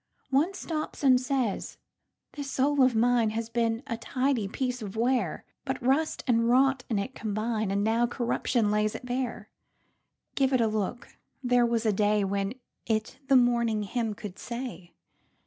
One stops and says, "This soul of mineHas been a tidy piece of ware, But rust and rot in it combine, And now corruption lays it bare. Give it a look: there was a dayWhen it the morning hymn could say."